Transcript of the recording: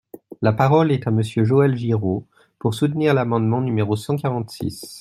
La parole est à Monsieur Joël Giraud, pour soutenir l’amendement numéro cent quarante-six.